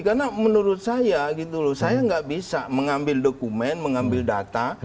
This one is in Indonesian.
karena menurut saya gitu loh saya tidak bisa mengambil dokumen mengambil data